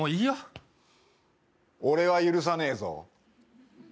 俺は許さねぇぞ！